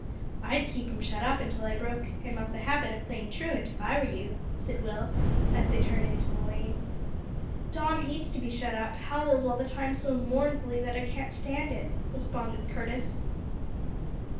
"I'd keep him shut up until I broke him of the habit of playing truant, if I were you," said Will, as they turned into the lane. "Don hates to be shut up, howls all the time so mournfully that I can't stand it," responded Curtis.